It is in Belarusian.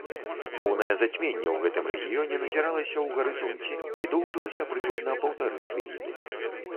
Поўнае зацьменне ў гэтым рэгіёне назіралася ў гарызонце і доўжылася прыкладна паўтары хвіліны.